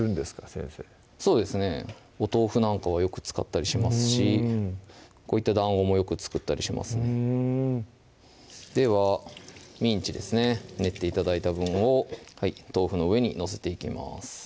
先生そうですねお豆腐なんかはよく使ったりしますしこういっただんごもよく作ったりしますねではミンチですね練って頂いた分を豆腐の上に載せていきます